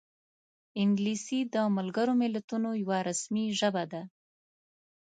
انګلیسي د ملګرو ملتونو یوه رسمي ژبه ده